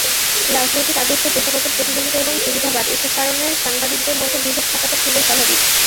রাজনৈতিক আদর্শ, পেশাগত প্রতিযোগিতা এবং সুবিধাবাদ—এসব কারণে সাংবাদিকদের মধ্যে বিভেদ থাকাটা খুবই স্বাভাবিক।